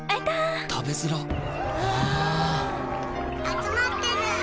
あつまってるー。